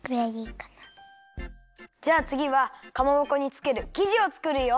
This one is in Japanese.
じゃあつぎはかまぼこにつけるきじをつくるよ！